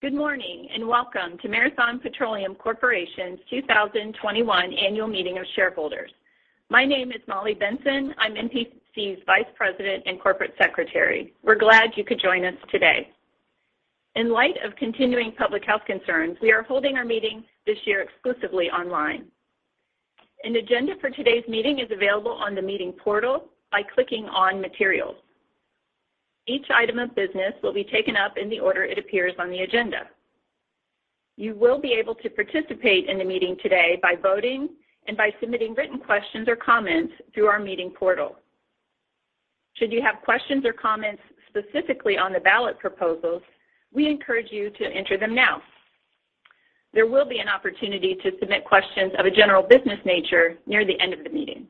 Good morning, and welcome to Marathon Petroleum Corporation's 2021 Annual Meeting of Shareholders. My name is Molly Benson. I'm MPC's Vice President and Corporate Secretary. We're glad you could join us today. In light of continuing public health concerns, we are holding our meeting this year exclusively online. An agenda for today's meeting is available on the meeting portal by clicking on Materials. Each item of business will be taken up in the order it appears on the agenda. You will be able to participate in the meeting today by voting and by submitting written questions or comments through our meeting portal. Should you have questions or comments specifically on the ballot proposals, we encourage you to enter them now. There will be an opportunity to submit questions of a general business nature near the end of the meeting.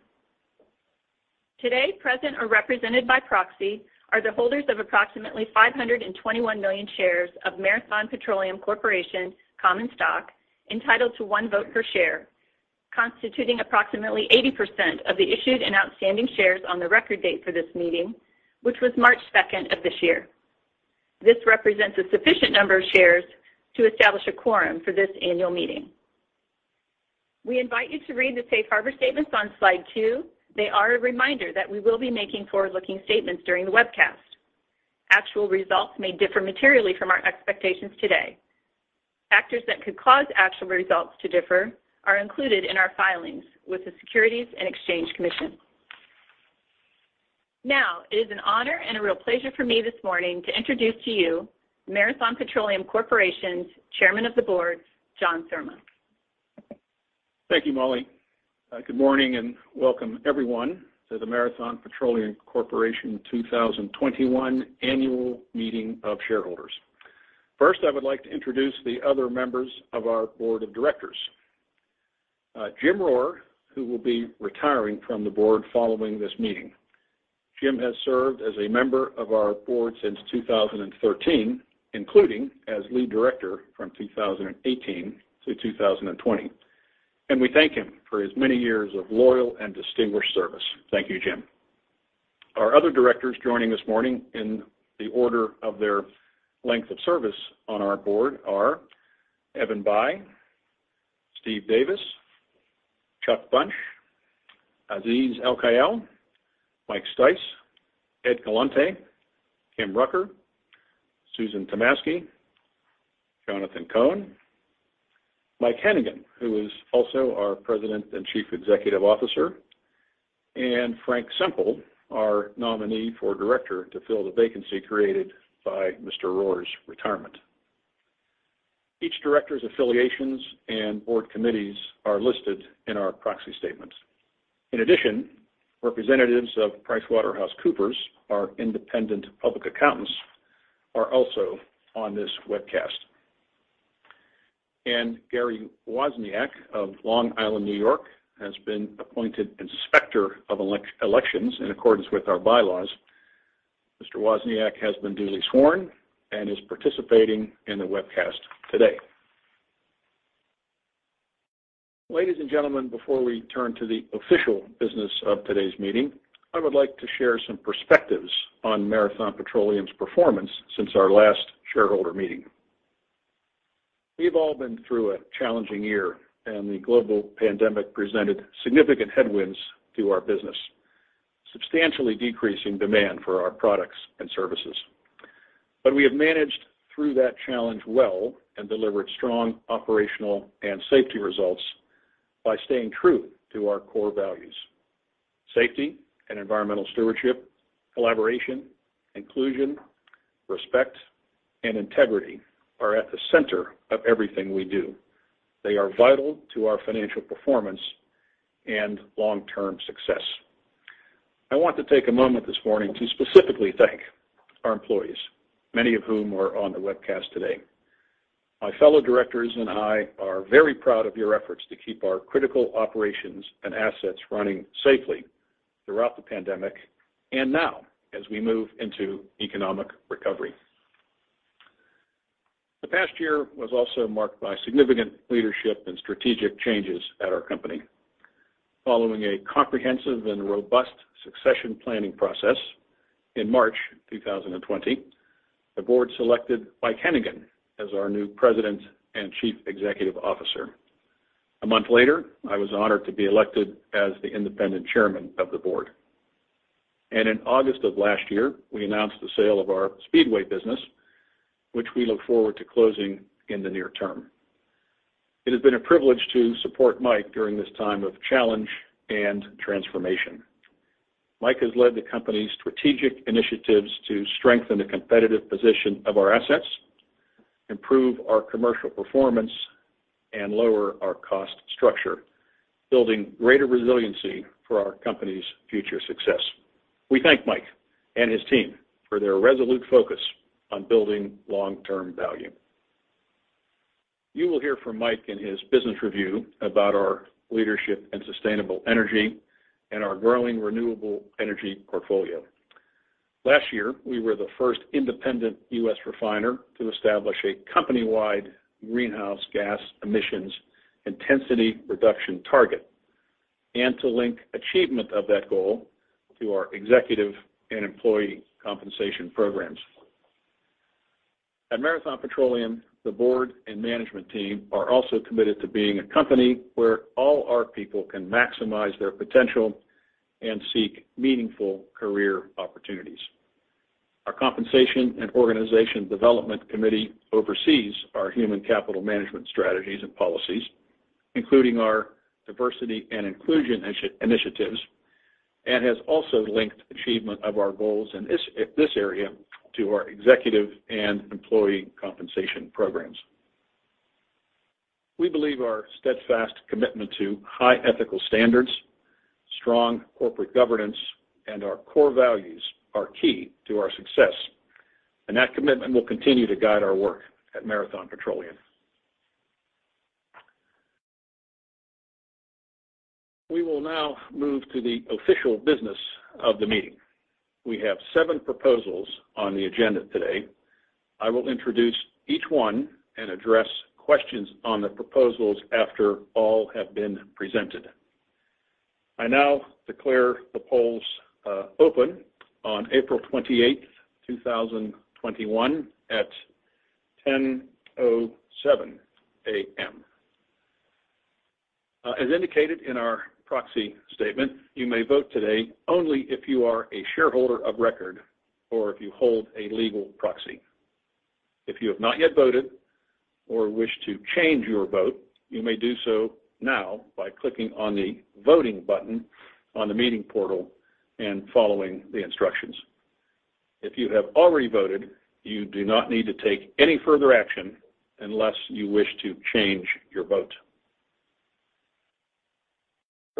Today, present or represented by proxy, are the holders of approximately 521 million shares of Marathon Petroleum Corporation common stock, entitled to one vote per share, constituting approximately 80% of the issued and outstanding shares on the record date for this meeting, which was March 2nd of this year. This represents a sufficient number of shares to establish a quorum for this annual meeting. We invite you to read the safe harbor statements on slide two. They are a reminder that we will be making forward-looking statements during the webcast. Actual results may differ materially from our expectations today. Factors that could cause actual results to differ are included in our filings with the Securities and Exchange Commission. It is an honor and a real pleasure for me this morning to introduce to you Marathon Petroleum Corporation's Chairman of the Board, John Surma. Thank you, Molly. Good morning, welcome, everyone, to the Marathon Petroleum Corporation 2021 Annual Meeting of Shareholders. First, I would like to introduce the other members of our Board of Directors. Jim Rohr, who will be retiring from the Board following this meeting. Jim has served as a member of our Board since 2013, including as Lead Director from 2018 to 2020, and we thank him for his many years of loyal and distinguished service. Thank you, Jim. Our other Directors joining this morning in the order of their length of service on our Board are Evan Bayh, Steve Davis, Chuck Bunch, Abdulaziz F. Alkhayyal, Mike Stice, Ed Galante, Kim Rucker, Susan Tomasky, Jonathan Z. Cohen, Mike Hennigan, who is also our President and Chief Executive Officer, and Frank Semple, our nominee for Director to fill the vacancy created by Mr. Rohr's retirement. Each director's affiliations and board committees are listed in our proxy statement. In addition, representatives of PricewaterhouseCoopers, our independent public accountants, are also on this webcast. Gary Wozniak of Long Island, N.Y., has been appointed Inspector of Elections in accordance with our bylaws. Mr. Wozniak has been duly sworn and is participating in the webcast today. Ladies and gentlemen, before we turn to the official business of today's meeting, I would like to share some perspectives on Marathon Petroleum's performance since our last shareholder meeting. We've all been through a challenging year, and the global pandemic presented significant headwinds to our business, substantially decreasing demand for our products and services. We have managed through that challenge well and delivered strong operational and safety results by staying true to our core values. Safety and environmental stewardship, collaboration, inclusion, respect, and integrity are at the center of everything we do. They are vital to our financial performance and long-term success. I want to take a moment this morning to specifically thank our employees, many of whom are on the webcast today. My fellow directors and I are very proud of your efforts to keep our critical operations and assets running safely throughout the pandemic and now as we move into economic recovery. The past year was also marked by significant leadership and strategic changes at our company. Following a comprehensive and robust succession planning process in March 2020, the board selected Mike Hennigan as our new President and Chief Executive Officer. A month later, I was honored to be elected as the independent Chairman of the Board. In August of last year, we announced the sale of our Speedway business, which we look forward to closing in the near term. It has been a privilege to support Mike during this time of challenge and transformation. Mike has led the company's strategic initiatives to strengthen the competitive position of our assets, improve our commercial performance, and lower our cost structure, building greater resiliency for our company's future success. We thank Mike and his team for their resolute focus on building long-term value. You will hear from Mike in his business review about our leadership in sustainable energy and our growing renewable energy portfolio. Last year, we were the first independent U.S. refiner to establish a company-wide greenhouse gas emissions intensity reduction target and to link achievement of that goal to our executive and employee compensation programs. At Marathon Petroleum, the board and management team are also committed to being a company where all our people can maximize their potential and seek meaningful career opportunities. Our Compensation and Organization Development Committee oversees our human capital management strategies and policies, including our diversity and inclusion initiatives, and has also linked achievement of our goals in this area to our executive and employee compensation programs. We believe our steadfast commitment to high ethical standards, strong corporate governance, and our core values are key to our success. That commitment will continue to guide our work at Marathon Petroleum. We will now move to the official business of the meeting. We have seven proposals on the agenda today. I will introduce each one and address questions on the proposals after all have been presented. I now declare the polls open on April 28th, 2021, at 10:07 A.M. As indicated in our proxy statement, you may vote today only if you are a shareholder of record or if you hold a legal proxy. If you have not yet voted or wish to change your vote, you may do so now by clicking on the Voting button on the meeting portal and following the instructions. If you have already voted, you do not need to take any further action unless you wish to change your vote.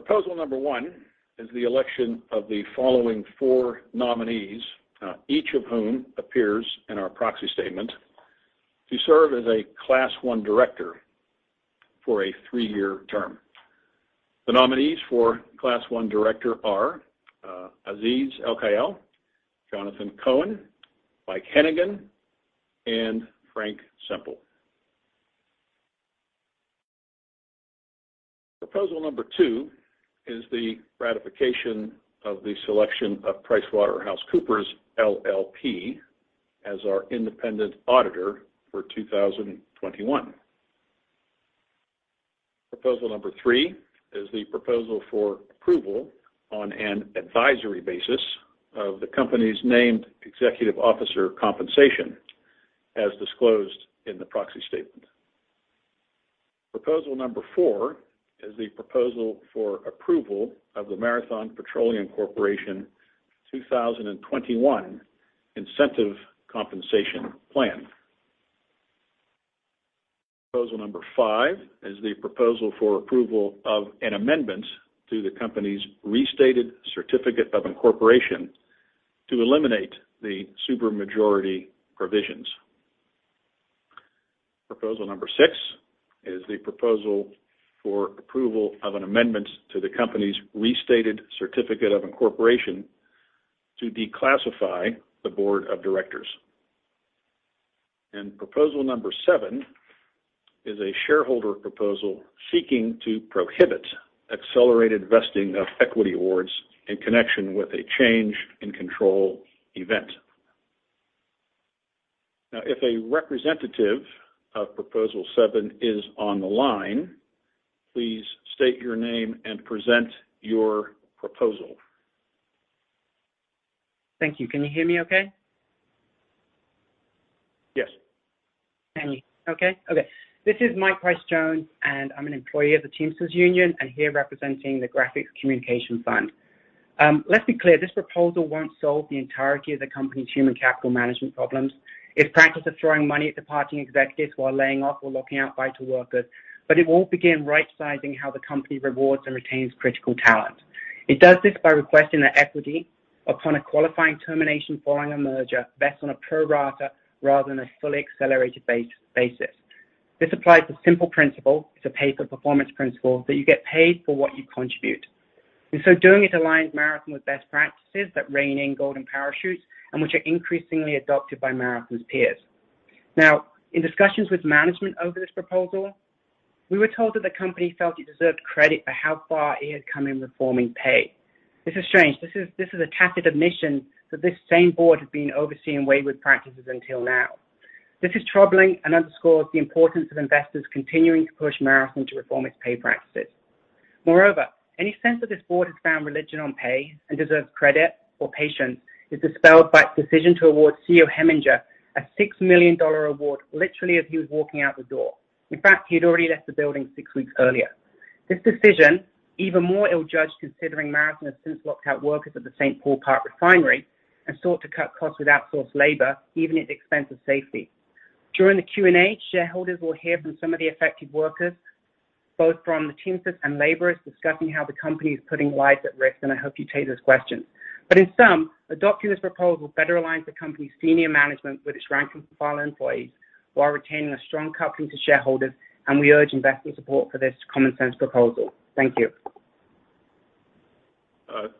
Proposal number one is the election of the following four nominees, each of whom appears in our proxy statement, to serve as a Class I director for a three-year term. The nominees for Class I director are Abdulaziz F. Alkhayyal, Jonathan Z. Cohen, Mike Hennigan, and Frank Semple. Proposal number two is the ratification of the selection of PricewaterhouseCoopers, LLP as our independent auditor for 2021. Proposal number three is the proposal for approval on an advisory basis of the company's named executive officer compensation as disclosed in the proxy statement. Proposal number four is the proposal for approval of the Marathon Petroleum Corporation 2021 Incentive Compensation Plan. Proposal number five is the proposal for approval of an amendment to the company's restated certificate of incorporation to eliminate the supermajority provisions. Proposal number six is the proposal for approval of an amendment to the company's restated certificate of incorporation to declassify the board of directors. Proposal number seven is a shareholder proposal seeking to prohibit accelerated vesting of equity awards in connection with a change in control event. If a representative of proposal seven is on the line, please state your name and present your proposal. Thank you. Can you hear me, okay? Yes. Can you? Okay. This is Mike Price-Jones, and I'm an employee of the Teamsters Union and here representing the Graphics Communication Fund. Let's be clear. This proposal won't solve the entirety of the company's human capital management problems, its practice of throwing money at departing executives while laying off or locking out vital workers, but it will begin right-sizing how the company rewards and retains critical talent. It does this by requesting that equity upon a qualifying termination following a merger vest on a pro rata rather than a fully accelerated basis. This applies a simple principle, it's a pay for performance principle, that you get paid for what you contribute. Doing it aligns Marathon with best practices that rein in golden parachutes, and which are increasingly adopted by Marathon's peers. Now, in discussions with management over this proposal, we were told that the company felt it deserved credit for how far it had come in reforming pay. This is strange. This is a tacit admission that this same board had been overseeing wayward practices until now. This is troubling and underscores the importance of investors continuing to push Marathon to reform its pay practices. Moreover, any sense that this board has found religion on pay and deserves credit or patience is dispelled by its decision to award CEO Heminger a $6 million award literally as he was walking out the door. In fact, he had already left the building six weeks earlier. This decision, even more ill-judged considering Marathon has since locked out workers at the St. Paul Park Refinery and sought to cut costs with outsourced labor, even at the expense of safety. During the Q&A, shareholders will hear from some of the affected workers, both from the Teamsters and Laborers discussing how the company is putting lives at risk, and I hope you take those questions. In sum, adopting this proposal better aligns the company's senior management with its rank-and-file employees while retaining a strong coupling to shareholders, and we urge investor support for this commonsense proposal. Thank you.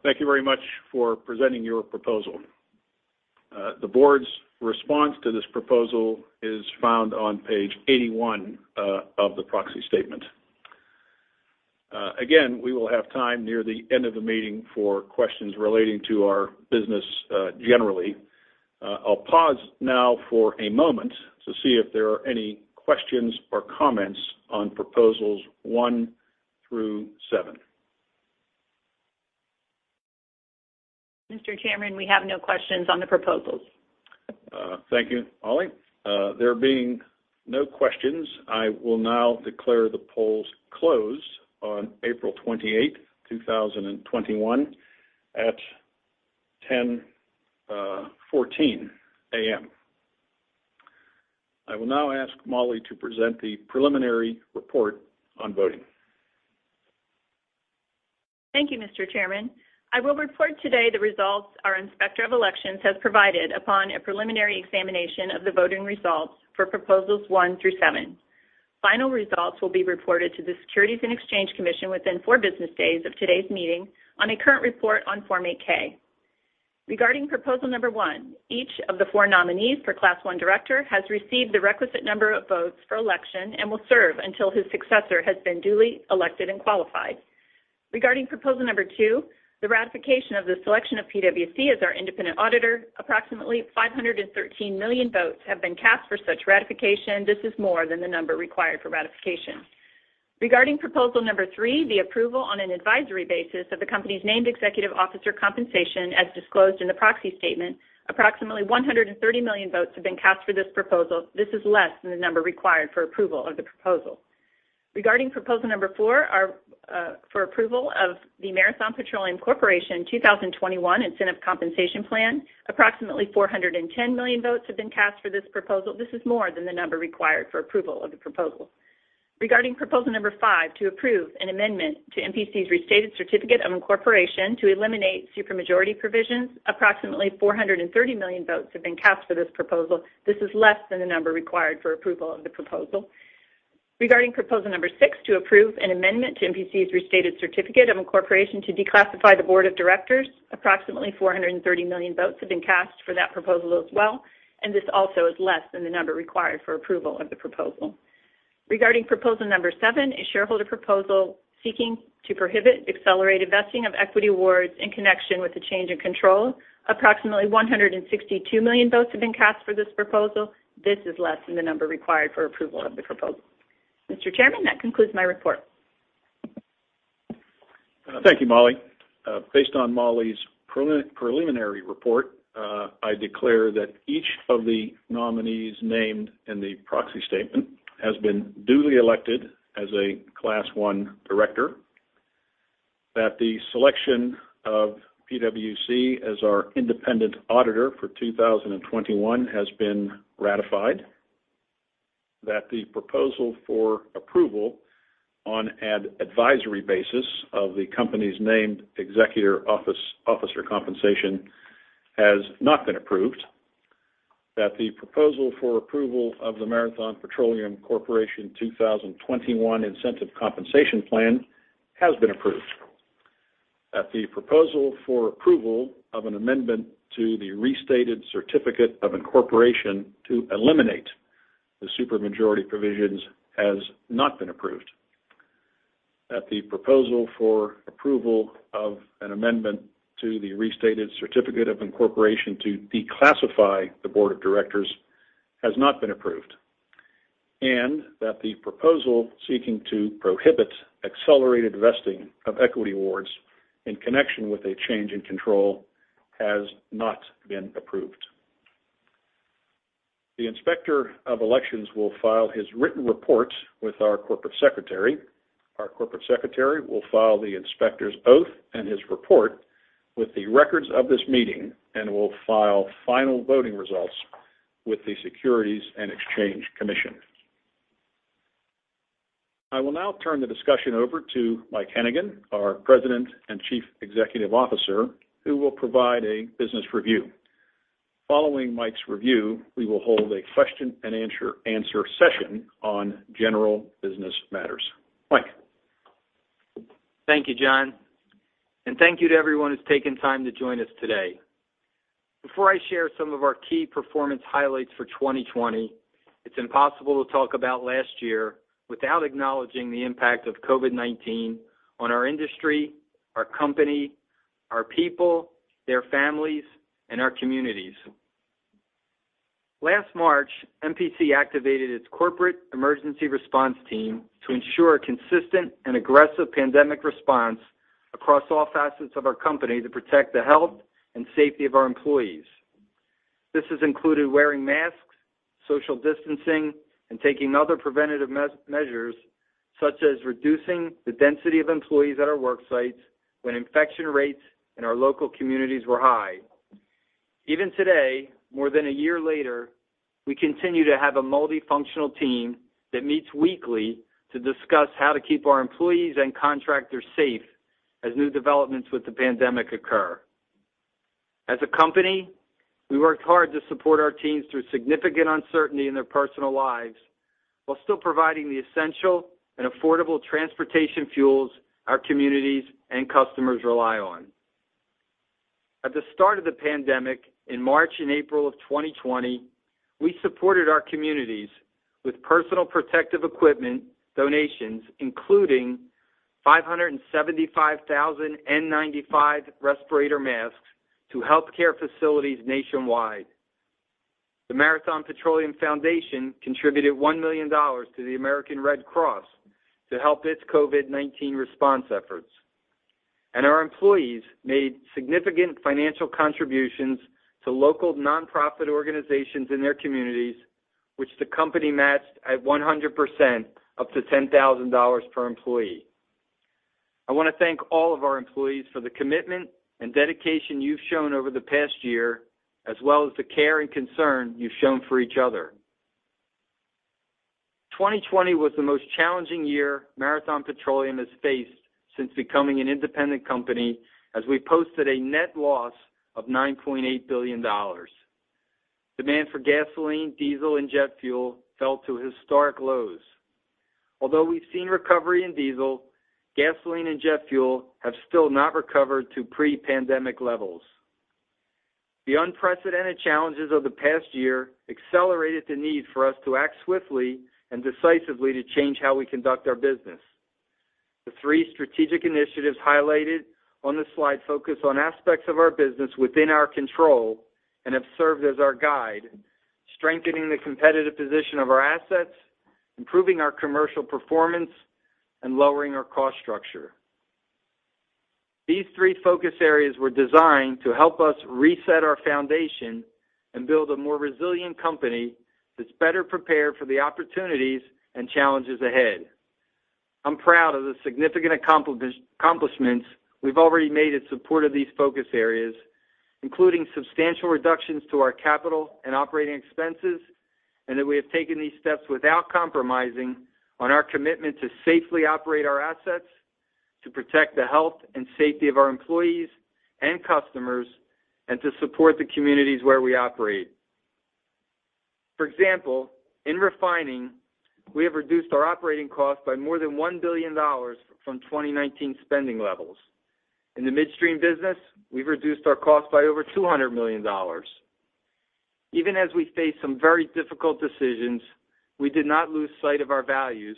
Thank you very much for presenting your proposal. The board's response to this proposal is found on page 81 of the proxy statement. We will have time near the end of the meeting for questions relating to our business generally. I'll pause now for a moment to see if there are any questions or comments on Proposals one through seven. Mr. Chairman, we have no questions on the proposals. Thank you, Molly. There being no questions, I will now declare the polls closed on April 28, 2021, at 10:14 A.M. I will now ask Molly to present the preliminary report on voting. Thank you, Mr. Chairman. I will report today the results our Inspector of Elections has provided upon a preliminary examination of the voting results for Proposals one through seven. Final results will be reported to the Securities and Exchange Commission within four business days of today's meeting on a current report on Form 8-K. Regarding proposal number one, each of the four nominees for Class I Director has received the requisite number of votes for election and will serve until his successor has been duly elected and qualified. Regarding proposal number two, the ratification of the selection of PwC as our independent auditor, approximately 513 million votes have been cast for such ratification. This is more than the number required for ratification. Regarding proposal number three, the approval on an advisory basis of the company's named executive officer compensation as disclosed in the proxy statement, approximately 130 million votes have been cast for this proposal. This is less than the number required for approval of the proposal. Regarding proposal number four, for approval of the Marathon Petroleum Corporation 2021 Incentive Compensation Plan, approximately 410 million votes have been cast for this proposal. This is more than the number required for approval of the proposal. Regarding proposal number five, to approve an amendment to MPC's restated certificate of incorporation to eliminate supermajority provisions, approximately 430 million votes have been cast for this proposal. This is less than the number required for approval of the proposal. Regarding proposal number six, to approve an amendment to MPC's restated certificate of incorporation to declassify the board of directors, approximately 430 million votes have been cast for that proposal as well. This also is less than the number required for approval of the proposal. Regarding proposal number seven, a shareholder proposal seeking to prohibit accelerated vesting of equity awards in connection with a change in control, approximately 162 million votes have been cast for this proposal. This is less than the number required for approval of the proposal. Mr. Chairman, that concludes my report. Thank you, Molly. Based on Molly's preliminary report, I declare that each of the nominees named in the proxy statement has been duly elected as a Class I Director, that the selection of PwC as our independent auditor for 2021 has been ratified, that the proposal for approval on an advisory basis of the company's named executive officer compensation has not been approved, that the proposal for approval of the Marathon Petroleum Corporation 2021 Incentive Compensation Plan has been approved, that the proposal for approval of an amendment to the restated certificate of incorporation to eliminate the supermajority provisions has not been approved, that the proposal for approval of an amendment to the restated certificate of incorporation to declassify the board of directors has not been approved, and that the proposal seeking to prohibit accelerated vesting of equity awards in connection with a change in control has not been approved. The Inspector of Elections will file his written report with our Corporate Secretary. Our Corporate Secretary will file the Inspector's oath and his report with the records of this meeting and will file final voting results with the Securities and Exchange Commission. I will now turn the discussion over to Mike Hennigan, our President and Chief Executive Officer, who will provide a business review. Following Mike's review, we will hold a question-and-answer session on general business matters. Mike? Thank you, John. Thank you to everyone who's taken time to join us today. Before I share some of our key performance highlights for 2020, it's impossible to talk about last year without acknowledging the impact of COVID-19 on our industry, our company, our people, their families, and our communities. Last March, MPC activated its corporate emergency response team to ensure a consistent and aggressive pandemic response across all facets of our company to protect the health and safety of our employees. This has included wearing masks, social distancing, and taking other preventative measures, such as reducing the density of employees at our work sites when infection rates in our local communities were high. Even today, more than a year later, we continue to have a multifunctional team that meets weekly to discuss how to keep our employees and contractors safe as new developments with the pandemic occur. As a company, we worked hard to support our teams through significant uncertainty in their personal lives while still providing the essential and affordable transportation fuels our communities and customers rely on. At the start of the pandemic in March and April of 2020, we supported our communities with personal protective equipment donations, including 575,000 N95 respirator masks to healthcare facilities nationwide. The Marathon Petroleum Foundation contributed $1 million to the American Red Cross to help its COVID-19 response efforts. Our employees made significant financial contributions to local nonprofit organizations in their communities, which the company matched at 100%, up to $10,000 per employee. I want to thank all of our employees for the commitment and dedication you've shown over the past year, as well as the care and concern you've shown for each other. 2020 was the most challenging year Marathon Petroleum has faced since becoming an independent company, as we posted a net loss of $9.8 billion. Demand for gasoline, diesel, and jet fuel fell to historic lows. Although we've seen recovery in diesel, gasoline and jet fuel have still not recovered to pre-pandemic levels. The unprecedented challenges of the past year accelerated the need for us to act swiftly and decisively to change how we conduct our business. The three strategic initiatives highlighted on this slide focus on aspects of our business within our control and have served as our guide, strengthening the competitive position of our assets, improving our commercial performance, and lowering our cost structure. These three focus areas were designed to help us reset our foundation and build a more resilient company that's better prepared for the opportunities and challenges ahead. I'm proud of the significant accomplishments we've already made in support of these focus areas, including substantial reductions to our capital and operating expenses, and that we have taken these steps without compromising on our commitment to safely operate our assets, to protect the health and safety of our employees and customers, and to support the communities where we operate. For example, in refining, we have reduced our operating costs by more than $1 billion from 2019 spending levels. In the midstream business, we've reduced our costs by over $200 million. Even as we face some very difficult decisions, we did not lose sight of our values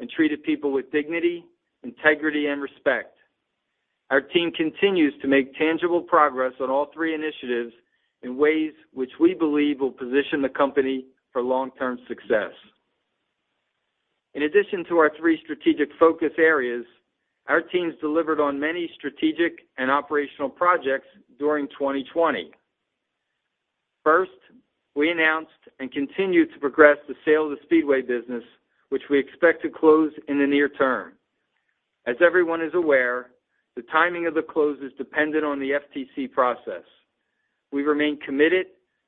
and treated people with dignity, integrity, and respect. Our team continues to make tangible progress on all three initiatives in ways which we believe will position the company for long-term success. In addition to our three strategic focus areas, our teams delivered on many strategic and operational projects during 2020. First, we announced and continue to progress the sale of the Speedway business, which we expect to close in the near term. As everyone is aware, the timing of the close is dependent on the FTC process. We remain committed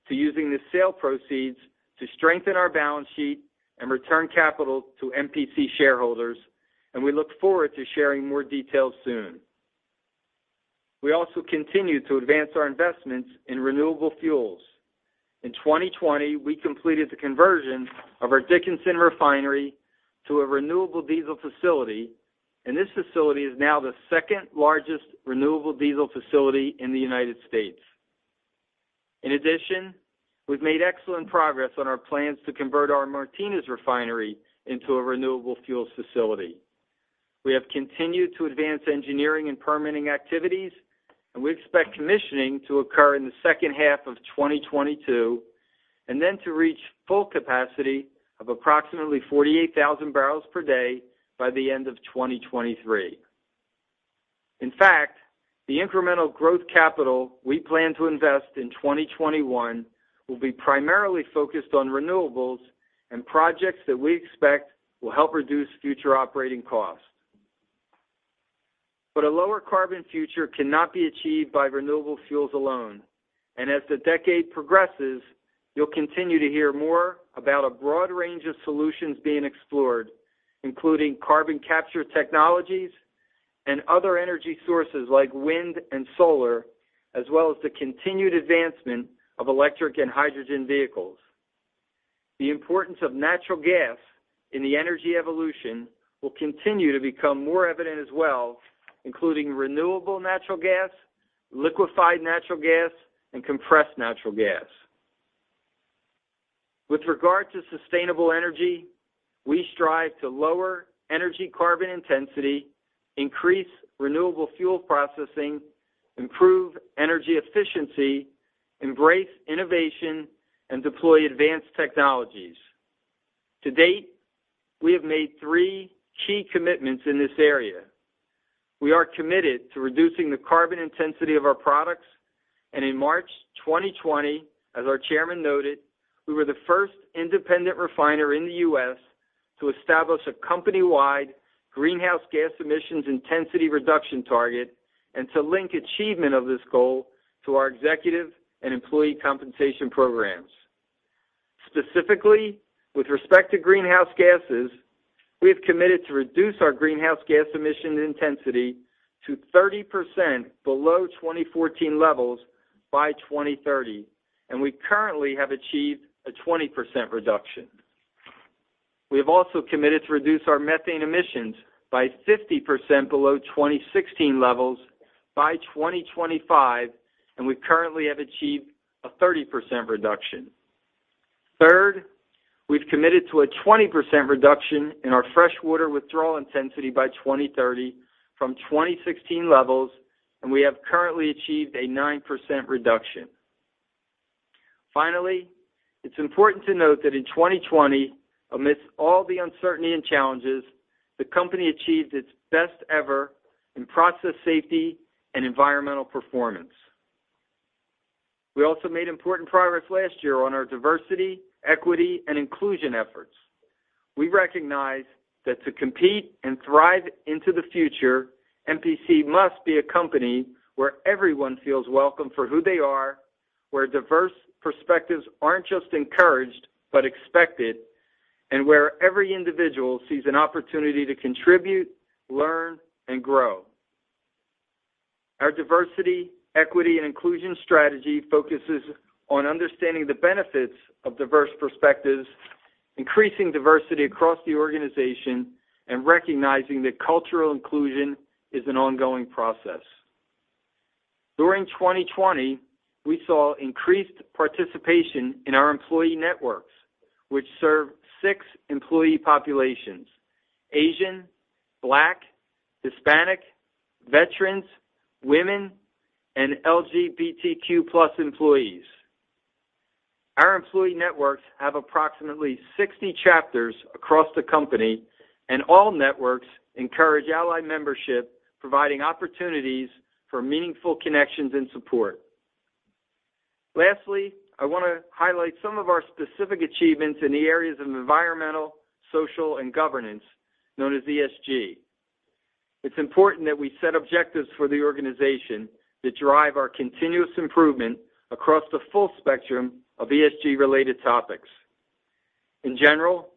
to using the sale proceeds to strengthen our balance sheet and return capital to MPC shareholders, and we look forward to sharing more details soon. We also continue to advance our investments in renewable fuels. In 2020, we completed the conversion of our Dickinson refinery to a renewable diesel facility, and this facility is now the second-largest renewable diesel facility in the U.S. In addition, we've made excellent progress on our plans to convert our Martinez refinery into a renewable fuels facility. We have continued to advance engineering and permitting activities, and we expect commissioning to occur in the H2 of 2022, and then to reach full capacity of approximately 48,000 barrels per day by the end of 2023. In fact, the incremental growth capital we plan to invest in 2021 will be primarily focused on renewables and projects that we expect will help reduce future operating costs. A lower carbon future cannot be achieved by renewable fuels alone, and as the decade progresses, you'll continue to hear more about a broad range of solutions being explored, including carbon capture technologies and other energy sources like wind and solar, as well as the continued advancement of electric and hydrogen vehicles. The importance of natural gas in the energy evolution will continue to become more evident as well, including renewable natural gas, liquefied natural gas, and compressed natural gas. With regard to sustainable energy, we strive to lower energy carbon intensity, increase renewable fuel processing, improve energy efficiency, embrace innovation, and deploy advanced technologies. To date, we have made three key commitments in this area. We are committed to reducing the carbon intensity of our products, and in March 2020, as our chairman noted, we were the first independent refiner in the U.S. to establish a company-wide Greenhouse Gas Emissions Intensity Reduction Target and to link achievement of this goal to our executive and employee compensation programs. Specifically, with respect to greenhouse gases. We have committed to reduce our greenhouse gas emission intensity to 30% below 2014 levels by 2030, and we currently have achieved a 20% reduction. We have also committed to reduce our methane emissions by 50% below 2016 levels by 2025, and we currently have achieved a 30% reduction. Third, we've committed to a 20% reduction in our freshwater withdrawal intensity by 2030 from 2016 levels, and we have currently achieved a 9% reduction. Finally, it's important to note that in 2020, amidst all the uncertainty and challenges, the company achieved its best ever in process safety and environmental performance. We also made important progress last year on our diversity, equity, and inclusion efforts. We recognize that to compete and thrive into the future, MPC must be a company where everyone feels welcome for who they are, where diverse perspectives aren't just encouraged, but expected, and where every individual sees an opportunity to contribute, learn, and grow. Our diversity, equity, and inclusion strategy focuses on understanding the benefits of diverse perspectives, increasing diversity across the organization, and recognizing that cultural inclusion is an ongoing process. During 2020, we saw increased participation in our employee networks, which serve six employee populations: Asian, Black, Hispanic, veterans, women, and LGBTQ+ employees. Our employee networks have approximately 60 chapters across the company, and all networks encourage ally membership, providing opportunities for meaningful connections and support. Lastly, I want to highlight some of our specific achievements in the areas of environmental, social, and governance, known as ESG. It's important that we set objectives for the organization that drive our continuous improvement across the full spectrum of ESG-related topics. In general,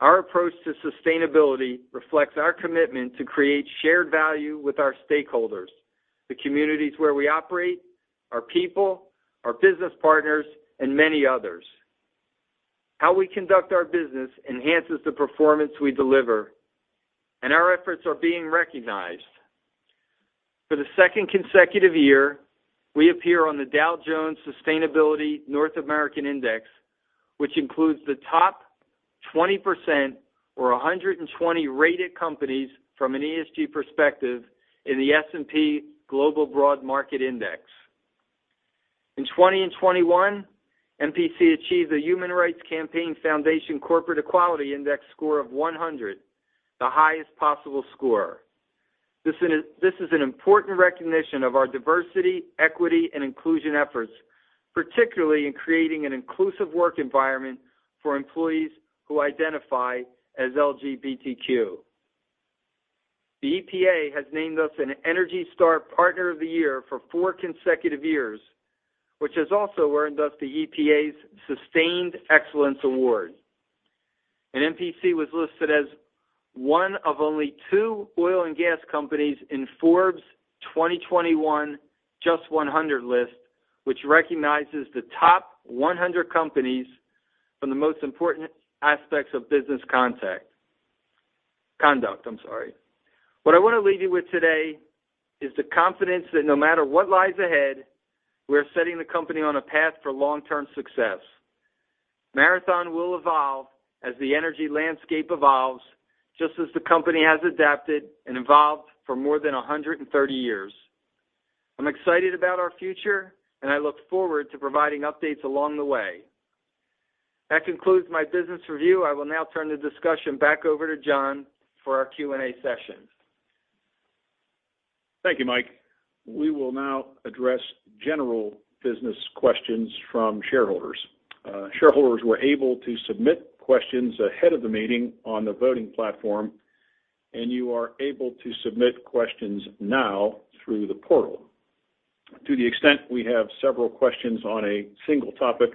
our approach to sustainability reflects our commitment to create shared value with our stakeholders, the communities where we operate, our people, our business partners, and many others. How we conduct our business enhances the performance we deliver, and our efforts are being recognized. For the second consecutive year, we appear on the Dow Jones Sustainability North America Index, which includes the top 20% or 120 rated companies from an ESG perspective in the S&P Global Broad Market Index. In 2021, MPC achieved a Human Rights Campaign Foundation Corporate Equality Index score of 100, the highest possible score. This is an important recognition of our diversity, equity, and inclusion efforts, particularly in creating an inclusive work environment for employees who identify as LGBTQ. The EPA has named us an ENERGY STAR Partner of the Year for four consecutive years, which has also earned us the EPA's Sustained Excellence Award. MPC was listed as one of only two oil and gas companies in Forbes 2021 JUST 100 list, which recognizes the top 100 companies from the most important aspects of business conduct.; What I want to leave you with today is the confidence that no matter what lies ahead, we're setting the company on a path for long-term success. Marathon will evolve as the energy landscape evolves, just as the company has adapted and evolved for more than 130 years. I'm excited about our future, and I look forward to providing updates along the way. That concludes my business review. I will now turn the discussion back over to John for our Q&A session. Thank you, Mike. We will now address general business questions from shareholders. Shareholders were able to submit questions ahead of the meeting on the voting platform, and you are able to submit questions now through the portal. To the extent we have several questions on a single topic,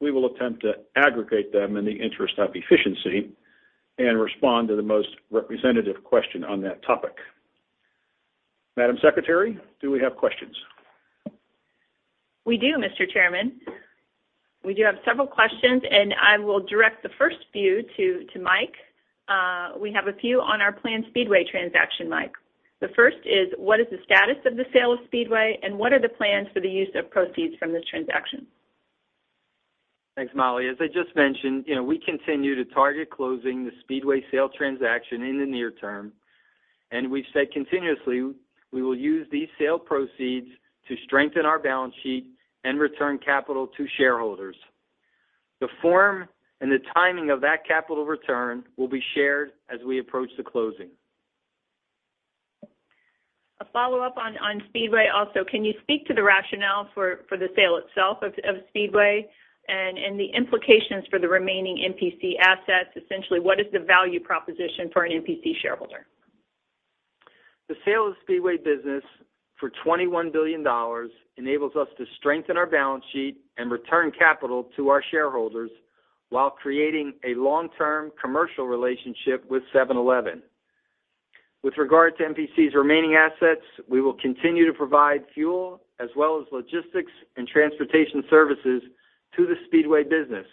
we will attempt to aggregate them in the interest of efficiency and respond to the most representative question on that topic. Madam Secretary, do we have questions? We do, Mr. Chairman. We do have several questions, and I will direct the first few to Mike. We have a few on our planned Speedway transaction, Mike. The first is, what is the status of the sale of Speedway, and what are the plans for the use of proceeds from this transaction? Thanks, Molly. As I just mentioned, we continue to target closing the Speedway sale transaction in the near term. We've said continuously we will use these sale proceeds to strengthen our balance sheet and return capital to shareholders. The form and the timing of that capital return will be shared as we approach the closing. A follow-up on Speedway also. Can you speak to the rationale for the sale itself of Speedway and the implications for the remaining MPC assets? Essentially, what is the value proposition for an MPC shareholder? The sale of the Speedway business for $21 billion enables us to strengthen our balance sheet and return capital to our shareholders while creating a long-term commercial relationship with 7-Eleven. With regard to MPC's remaining assets, we will continue to provide fuel as well as logistics and transportation services to the Speedway business,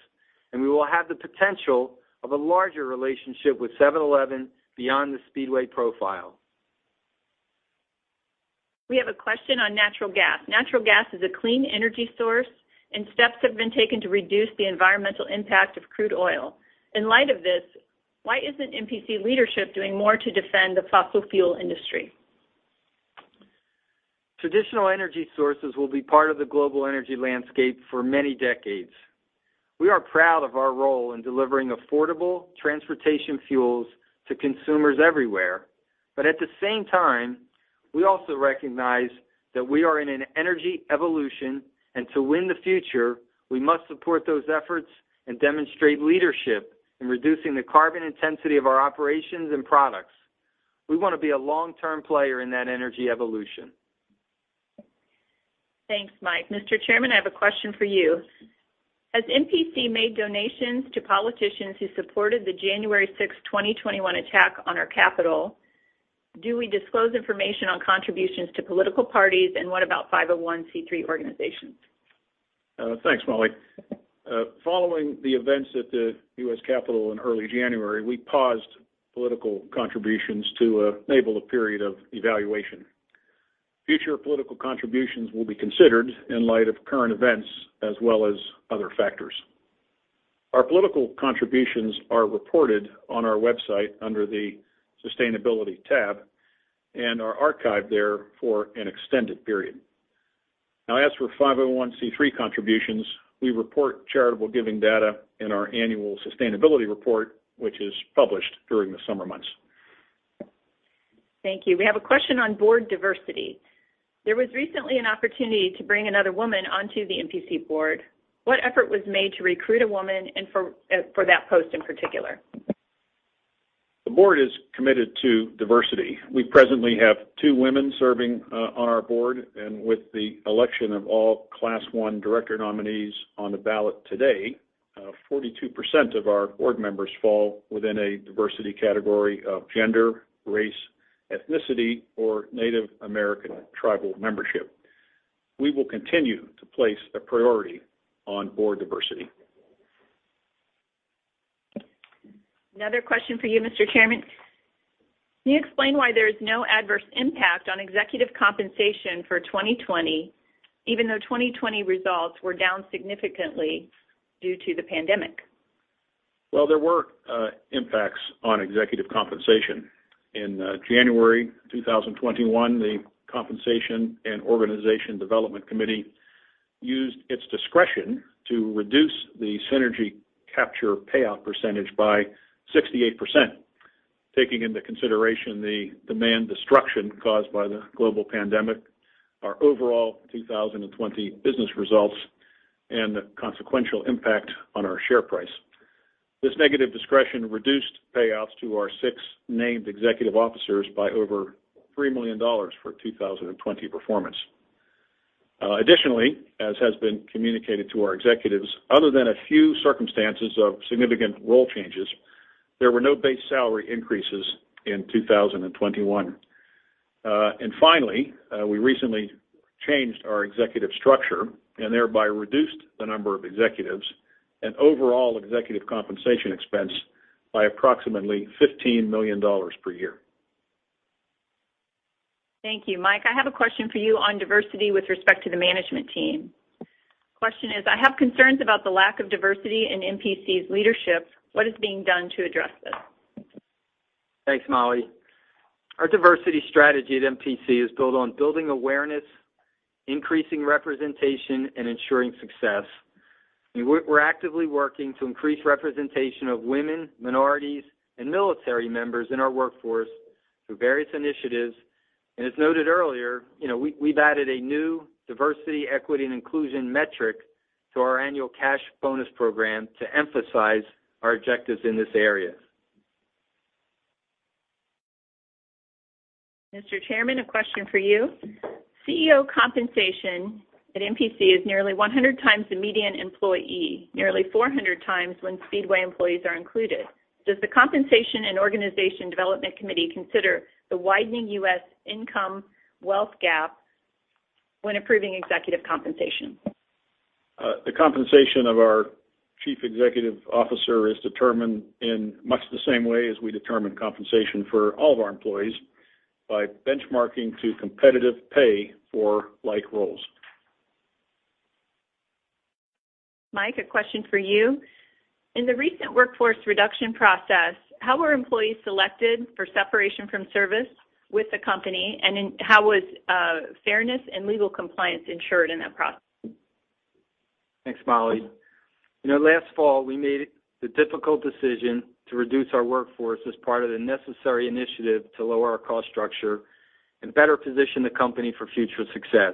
and we will have the potential of a larger relationship with 7-Eleven beyond the Speedway profile. We have a question on natural gas. Natural gas is a clean energy source, and steps have been taken to reduce the environmental impact of crude oil. In light of this, why isn't MPC leadership doing more to defend the fossil fuel industry? Traditional energy sources will be part of the global energy landscape for many decades. We are proud of our role in delivering affordable transportation fuels to consumers everywhere. At the same time, we also recognize that we are in an energy evolution, and to win the future, we must support those efforts and demonstrate leadership in reducing the carbon intensity of our operations and products. We want to be a long-term player in that energy evolution. Thanks, Mike. Mr. Chairman, I have a question for you. Has MPC made donations to politicians who supported the January 6th, 2021, attack on our Capitol? Do we disclose information on contributions to political parties? What about 501(c)(3) organizations? Thanks, Molly. Following the events at the U.S. Capitol in early January, we paused political contributions to enable a period of evaluation. Future political contributions will be considered in light of current events as well as other factors. Our political contributions are reported on our website under the Sustainability tab and are archived there for an extended period. As for 501(c)(3) contributions, we report charitable giving data in our annual sustainability report, which is published during the summer months. Thank you. We have a question on board diversity. There was recently an opportunity to bring another woman onto the MPC board. What effort was made to recruit a woman and for that post in particular? The board is committed to diversity. We presently have two women serving on our board, and with the election of all Class I director nominees on the ballot today, 42% of our board members fall within a diversity category of gender, race, ethnicity, or Native American tribal membership. We will continue to place a priority on board diversity. Another question for you, Mr. Chairman. Can you explain why there is no adverse impact on executive compensation for 2020, even though 2020 results were down significantly due to the pandemic? Well, there were impacts on executive compensation. In January 2021, the Compensation and Organization Development Committee used its discretion to reduce the synergy capture payout percentage by 68%, taking into consideration the demand destruction caused by the global pandemic, our overall 2020 business results, and the consequential impact on our share price. This negative discretion reduced payouts to our six named executive officers by over $3 million for 2020 performance. As has been communicated to our executives, other than a few circumstances of significant role changes, there were no base salary increases in 2021. Finally, we recently changed our executive structure and thereby reduced the number of executives and overall executive compensation expense by approximately $15 million per year. Thank you. Mike, I have a question for you on diversity with respect to the management team. Question is: I have concerns about the lack of diversity in MPC's leadership. What is being done to address this? Thanks, Molly. Our diversity strategy at MPC is built on building awareness, increasing representation, and ensuring success. We're actively working to increase representation of women, minorities, and military members in our workforce through various initiatives. As noted earlier, we've added a new diversity, equity, and inclusion metric to our annual cash bonus program to emphasize our objectives in this area. Mr. Chairman, a question for you. CEO compensation at MPC is nearly 100 times the median employee, nearly 400 times when Speedway employees are included. Does the Compensation and Organization Development Committee consider the widening U.S. income wealth gap when approving executive compensation? The compensation of our Chief Executive Officer is determined in much the same way as we determine compensation for all of our employees by benchmarking to competitive pay for like roles. Mike, a question for you. In the recent workforce reduction process, how were employees selected for separation from service with the company, and how was fairness and legal compliance ensured in that process? Thanks, Molly. Last fall, we made the difficult decision to reduce our workforce as part of the necessary initiative to lower our cost structure and better position the company for future success.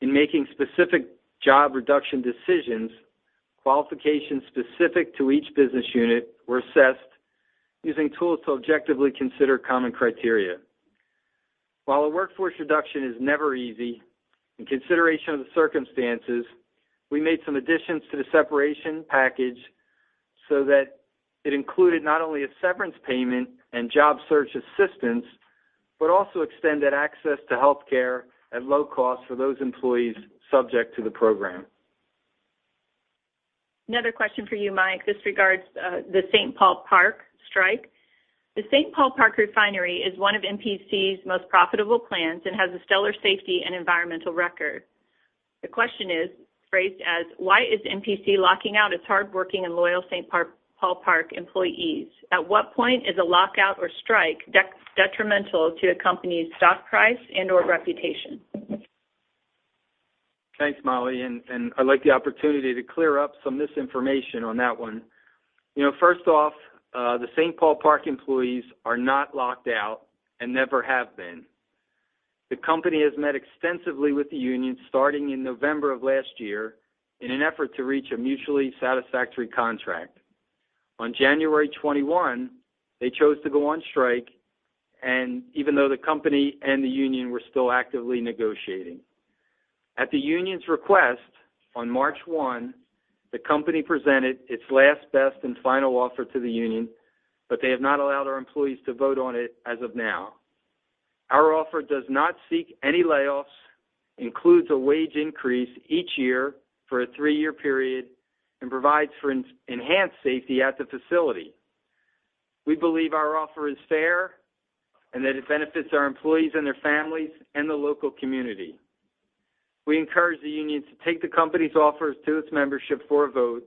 In making specific job reduction decisions, qualifications specific to each business unit were assessed using tools to objectively consider common criteria. While a workforce reduction is never easy, in consideration of the circumstances, we made some additions to the separation package so that it included not only a severance payment and job search assistance but also extended access to healthcare at low cost for those employees subject to the program. Another question for you, Mike. This regards the St. Paul Park strike. The St. Paul Park refinery is one of MPC's most profitable plants and has a stellar safety and environmental record. The question is phrased as: Why is MPC locking out its hardworking and loyal St. Paul Park employees? At what point is a lockout or strike detrimental to a company's stock price and/or reputation? Thanks, Molly, and I'd like the opportunity to clear up some misinformation on that one. First off, the St. Paul Park employees are not locked out and never have been. The company has met extensively with the union starting in November of last year in an effort to reach a mutually satisfactory contract. On January 21st, they chose to go on strike, and even though the company and the union were still actively negotiating. At the union's request, on March 1st, the company presented its last, best, and final offer to the union, but they have not allowed our employees to vote on it as of now. Our offer does not seek any layoffs, includes a wage increase each year for a three-year period, and provides for enhanced safety at the facility. We believe our offer is fair and that it benefits our employees and their families and the local community. We encourage the union to take the company's offers to its membership for a vote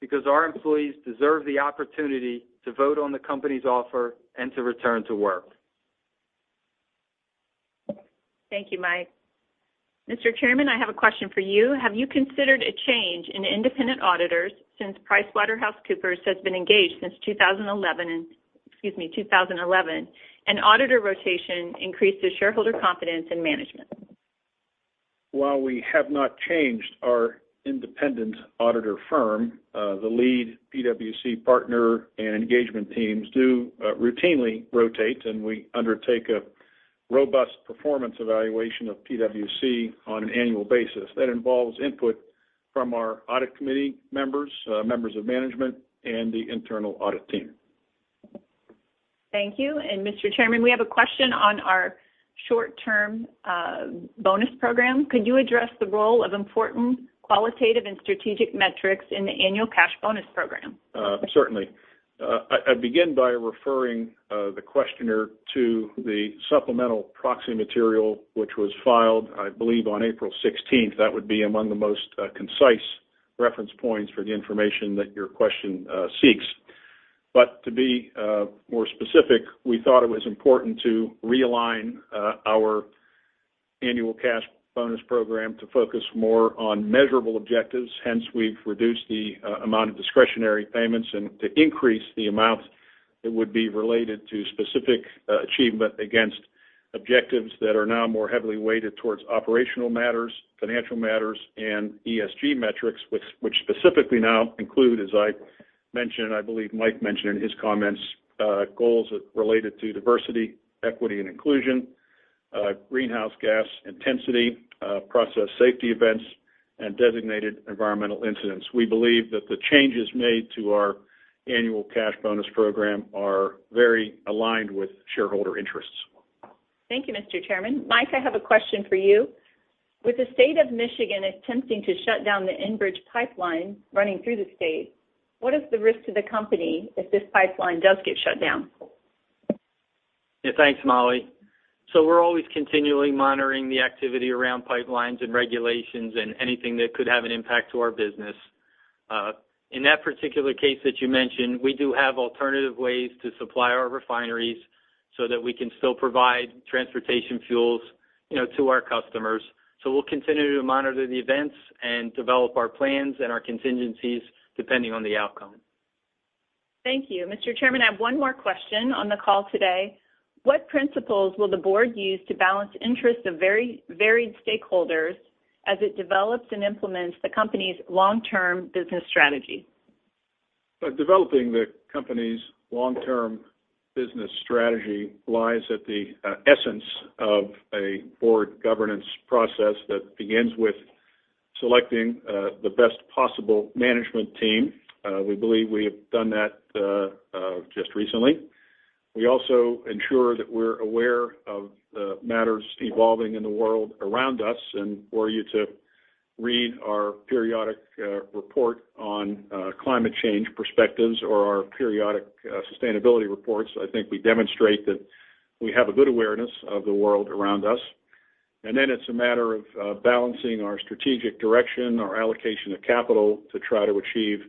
because our employees deserve the opportunity to vote on the company's offer and to return to work. Thank you, Mike. Mr. Chairman, I have a question for you. Have you considered a change in independent auditors since PricewaterhouseCoopers has been engaged since 2011? An auditor rotation increases shareholder confidence in management. While we have not changed our independent auditor firm, the lead PwC partner and engagement teams do routinely rotate, and we undertake a robust performance evaluation of PwC on an annual basis. That involves input from our audit committee members of management, and the internal audit team. Thank you. Mr. Chairman, we have a question on our short-term bonus program. Could you address the role of important qualitative and strategic metrics in the annual cash bonus program? Certainly. I begin by referring the questioner to the supplemental proxy material, which was filed, I believe, on April 16th. To be more specific, we thought it was important to realign our annual cash bonus program to focus more on measurable objectives. We've reduced the amount of discretionary payments and to increase the amount that would be related to specific achievement against objectives that are now more heavily weighted towards operational matters, financial matters, and ESG metrics, which specifically now include, as I mentioned, I believe Mike mentioned in his comments, goals related to Diversity, Equity, and Inclusion, greenhouse gas intensity, process safety events, and designated environmental incidents. We believe that the changes made to our annual cash bonus program are very aligned with shareholder interests. Thank you, Mr. Chairman. Mike, I have a question for you. With the state of Michigan attempting to shut down the Enbridge pipeline running through the state, what is the risk to the company if this pipeline does get shut down? Yeah. Thanks, Molly. We're always continually monitoring the activity around pipelines and regulations and anything that could have an impact on our business. In that particular case that you mentioned, we do have alternative ways to supply our refineries so that we can still provide transportation fuels to our customers. We'll continue to monitor the events and develop our plans and our contingencies depending on the outcome. Thank you. Mr. Chairman, I have one more question on the call today. What principles will the Board use to balance interests of varied stakeholders as it develops and implements the company's long-term business strategy? Developing the company's long-term business strategy lies at the essence of a board governance process that begins with selecting the best possible management team. We believe we have done that just recently. We also ensure that we're aware of the matters evolving in the world around us. Were you to read our periodic report on climate change perspectives or our periodic sustainability reports, I think we demonstrate that we have a good awareness of the world around us. It's a matter of balancing our strategic direction, our allocation of capital, to try to achieve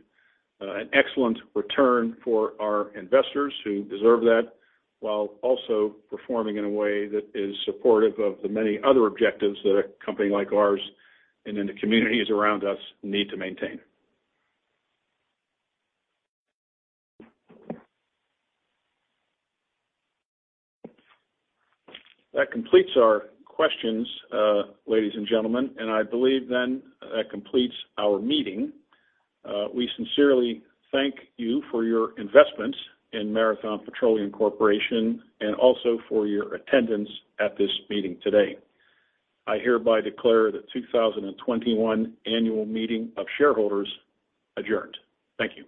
an excellent return for our investors who deserve that, while also performing in a way that is supportive of the many other objectives that a company like ours and in the communities around us need to maintain. That completes our questions, ladies and gentlemen, and I believe then that completes our meeting. We sincerely thank you for your investment in Marathon Petroleum Corporation and also for your attendance at this meeting today. I hereby declare the 2021 annual meeting of shareholders adjourned. Thank you.